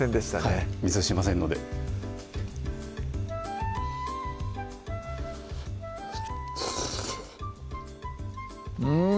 はいミスしませんのでうん！